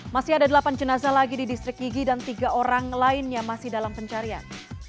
masih ada delapan jenazah lagi di distrik gigi dan tiga orang lainnya masih dalam pencarian